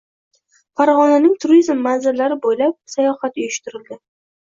Farg‘onaning turizm manzillari bo‘ylab sayohat uyushtirildi